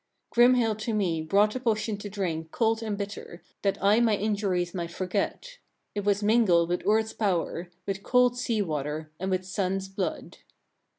21. Grimhild to me brought a potion to drink cold and bitter, that I my injuries might forget; it was mingled with Urd's power, with cold sea water, and with Son's blood.